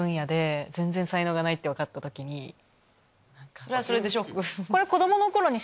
それはそれでショック。